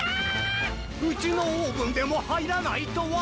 うちのオーブンでもはいらないとは。